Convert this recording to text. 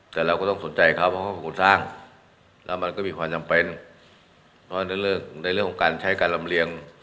แต่เราก็ต้องสนใจเขาเพราะเขาคงสร้างแล้วมันก็มีความจำเป็น